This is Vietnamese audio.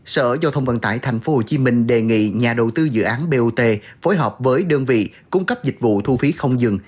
sở giao thông vận tải tp hcm đề nghị nhà đầu tư dự án bot phối hợp với đơn vị cung cấp dịch vụ thu phí không dừng